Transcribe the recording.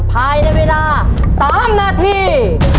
ภายในเวลา๓นาที